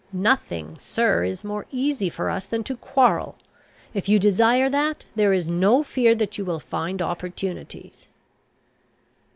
"Nothing, sir, is more easy for us than to quarrel. If you desire that, there is no fear that you will find opportunities."